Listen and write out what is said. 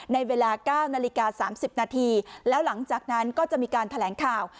ในเวลา๙นาฬิกา๓๐นาทีแล้วหลังจากนั้นก็จะมีการแถลงข่าว